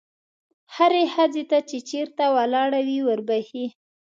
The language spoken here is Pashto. هرې ښځې ته چې چېرته ولاړه وي وربښې.